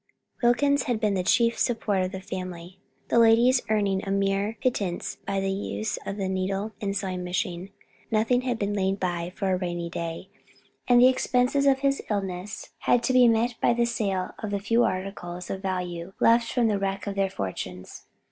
Wilkins had been the chief support of the family, the ladies earning a mere pittance by the use of the needle and sewing machine. Nothing had been laid by for a rainy day, and the expenses of his illness had to be met by the sale of the few articles of value left from the wreck of their fortunes.